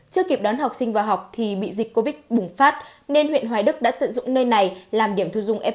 chưa kịp đón học sinh vào học thì bị dịch covid bùng phát nên huyện hoài đức đã tận dụng nơi này làm điểm thu dung f một